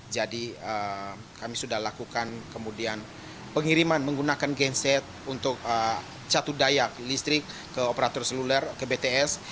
jadi kami sudah lakukan pengiriman menggunakan genset untuk catu dayak listrik ke operator seluler ke bts